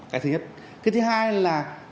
cái thứ nhất cái thứ hai là